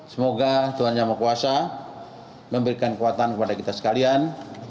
semoga tuhan yang maha kuasa memberikan kekuatan kepada kita sekalian